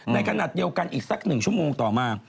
ในขณะเดียวกันอีกสัก๑ชั่วโมงต่อมา